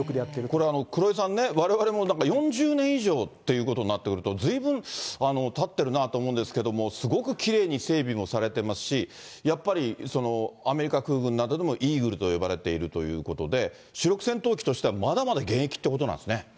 これは黒井さん、われわれも４０年以上っていうことになってくると、ずいぶんたってるなと思うんですけれども、すごくきれいに整備もされてますし、やっぱりアメリカ空軍などでもイーグルと呼ばれているということで、主力戦闘機としては、まだまだ現役ってことなんですね。